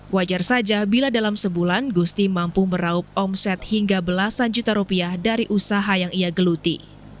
wajar saja bila dalam sebulan gusti mampu meraup omset hingga belasan juta rupiah dari usaha yang ia geluti